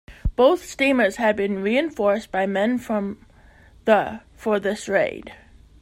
Both steamers had been reinforced by men from the for this raid.